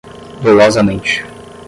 dolosamente